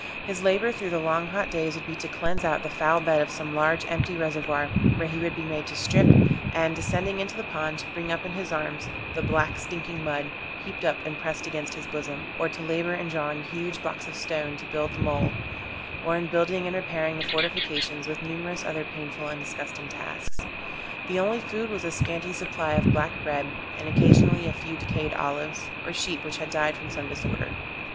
His labor through the long hot days would be to cleanse out the foul bed of some large empty reservoir, where he would be made to strip, and descending into the pond, bring up in his arms the black stinking mud, heaped up and pressed against his bosom; or to labor in drawing huge blocks of stone to build the mole; or in building and repairing the fortifications, with numerous other painful and disgusting tasks. The only food was a scanty supply of black bread, and occasionally a few decayed olives, or sheep which had died from some disorder.